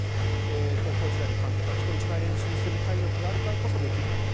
高校時代の監督は人一倍練習する体力があるからできるんだと。